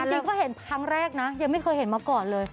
จริงก็เห็นครั้งแรกนะยังไม่เคยเห็นมาก่อนเลย